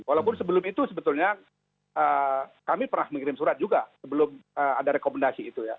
walaupun sebelum itu sebetulnya kami pernah mengirim surat juga sebelum ada rekomendasi itu ya